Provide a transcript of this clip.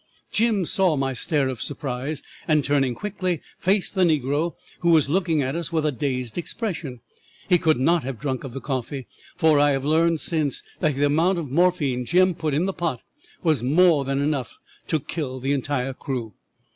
Jim saw my stare of surprise, and, turning quickly, faced the negro, who was looking at us with a dazed expression. He could not have drunk of the coffee, for I have since learned the amount of morphine Jim put in the pot was more than enough to kill the entire crew.